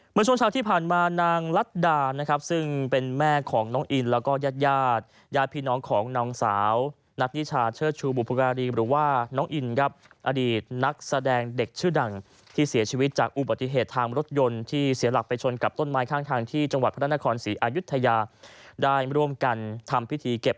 เมื่อช่วงเช้าที่ผ่านมานางรัฐดานะครับซึ่งเป็นแม่ของน้องอินแล้วก็ญาติญาติพี่น้องของนางสาวนัทนิชาเชิดชูบุพการีหรือว่าน้องอินครับอดีตนักแสดงเด็กชื่อดังที่เสียชีวิตจากอุบัติเหตุทางรถยนต์ที่เสียหลักไปชนกับต้นไม้ข้างทางที่จังหวัดพระนครศรีอายุทยาได้ร่วมกันทำพิธีเก็บ